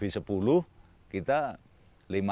kebetulan itu ada titah ngarso dalem hb sepuluh